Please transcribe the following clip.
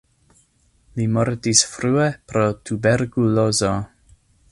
Li mortis frue pro tuberkulozo.